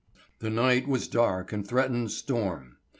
The night was dark and threatened storm.